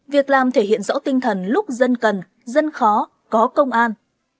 việc làm thể hiện rõ tinh thần lúc dân cần dân khó có công an